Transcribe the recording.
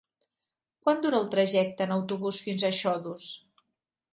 Quant dura el trajecte en autobús fins a Xodos?